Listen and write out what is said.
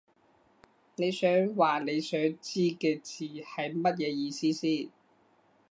你想話你想知嘅字係乜嘢意思先